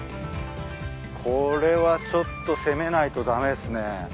これはちょっと攻めないと駄目ですね。